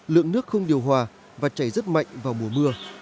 lượng nước không điều hòa và chảy rất mạnh vào mùa mưa